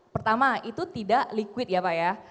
pertama itu tidak liquid ya pak ya